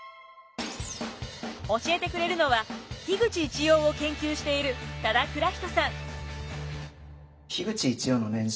教えてくれるのは口一葉を研究している多田蔵人さん。